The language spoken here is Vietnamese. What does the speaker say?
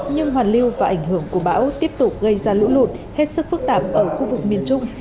nhưng hoàn lưu và ảnh hưởng của bão tiếp tục gây ra lũ lụt hết sức phức tạp ở khu vực miền trung